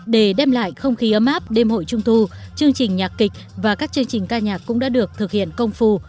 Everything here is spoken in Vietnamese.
để đem lại không khí ấm áp đêm hội trung thu chương trình nhạc kịch và các chương trình ca nhạc cũng đã được thực hiện công phu